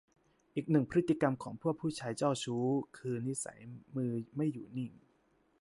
อีกหนึ่งพฤติกรรมของพวกผู้ชายเจ้าชู้คือ นิสัยมือไม่อยู่นิ่ง